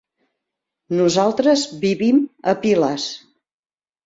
Nosaltres vivim a Piles.